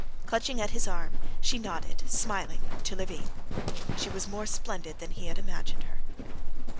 Clutching at his arm, she nodded smiling to Levin. She was more splendid than he had imagined her.